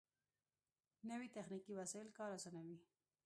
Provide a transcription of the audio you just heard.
نوې تخنیکي وسایل کار آسانوي